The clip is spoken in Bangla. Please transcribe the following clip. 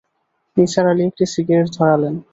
নিসার আলি একটি সিগারেট ধরলেন।